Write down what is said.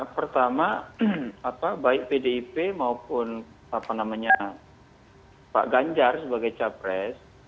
pertama baik pdip maupun pak ganjar sebagai capres